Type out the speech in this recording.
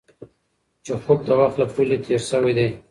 چیخوف د وخت له پولې تېر شوی دی.